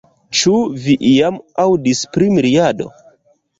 Ĉu vi iam aŭdis pri miriado?